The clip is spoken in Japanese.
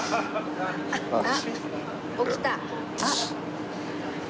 あっ起きた。